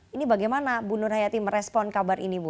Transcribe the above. ini bagaimana bu nur hayati merespon kabar ini bu